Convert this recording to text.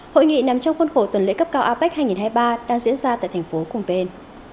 hội nghị nằm trong khuôn khổ tuần lễ cấp cao apec hai nghìn hai mươi ba đang diễn ra tại thành phố cùng tên